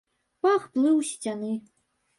Пах плыў з сцяны.